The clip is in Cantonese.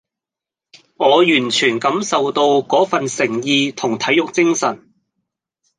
我完全感受到嗰份誠意同體育精神